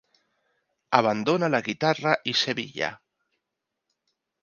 Abandona la guitarra i Sevilla.